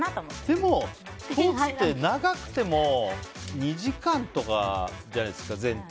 でも、スポーツって長くても２時間とかじゃないですか。